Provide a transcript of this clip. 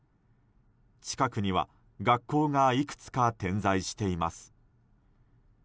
近くには、学校がいくつか点在しています。